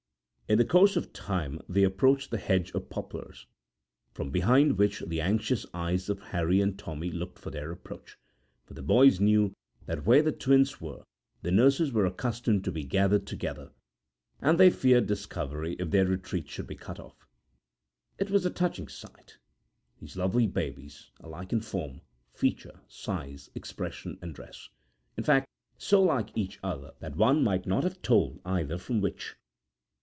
In the course of time they approached the hedge of poplars, from behind which the anxious eyes of Harry and Tommy looked for their approach, for the boys knew that where the twins were the nurses were accustomed to be gathered together, and they feared discovery if their retreat should be cut off. It was a touching sight, these lovely babes, alike in form, feature, size, expression, and dress; in fact, so like each other that one 'might not have told either from which'.